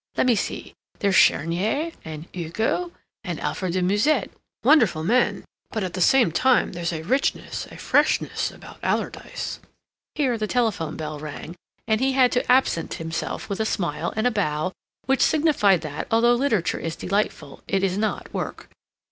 Let me see. There's Chenier and Hugo and Alfred de Musset—wonderful men, but, at the same time, there's a richness, a freshness about Alardyce—" Here the telephone bell rang, and he had to absent himself with a smile and a bow which signified that, although literature is delightful, it is not work.